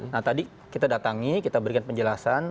nah tadi kita datangi kita berikan penjelasan